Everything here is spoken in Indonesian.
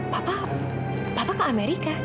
papa papa ke amerika